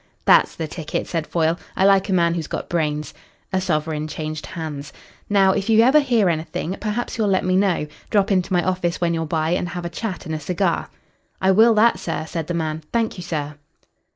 "That's the ticket," said Foyle. "I like a man who's got brains." A sovereign changed hands. "Now, if you ever hear anything, perhaps you'll let me know. Drop into my office when you're by and have a chat and a cigar." "I will that, sir," said the man. "Thank you, sir."